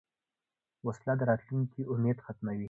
وسله د راتلونکې امید ختموي